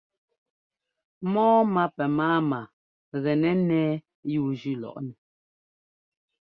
Mɔ́ɔmá pɛ máama gɛnɛ́ ńnɛ́ɛ yúujʉ́ lɔꞌnɛ.